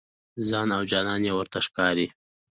ځان او جانان یو ورته ښکاري.